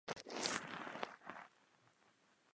Celková šíře hradby se pohybovala od deseti do dvanácti metrů.